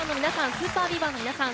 ＳＵＰＥＲＢＥＡＶＥＲの皆さん